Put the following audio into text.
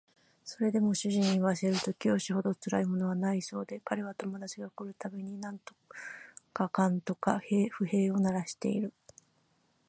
それでも主人に言わせると教師ほどつらいものはないそうで彼は友達が来る度に何とかかんとか不平を鳴らしている